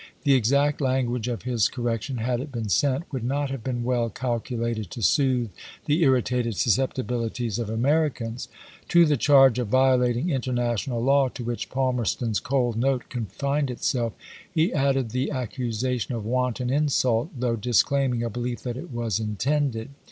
The exact language of his correc tion, had it been sent, would not have been well calculated to soothe the irritated susceptibilities of Americans. To the charge of " violating interna tional law," to which Palmerston's cold note con lined itself, he added the accusation of " wanton insult," though disclaiming a belief that it was in tended.